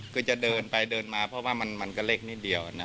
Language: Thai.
คือจะเดินไปเดินมาเพราะว่ามันก็เล็กนิดเดียวนะ